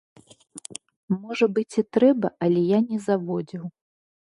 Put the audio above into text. Можа быць і трэба, але я не заводзіў.